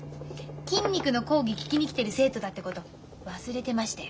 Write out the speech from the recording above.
筋肉の講義聞きに来てる生徒だってこと忘れてましたよ。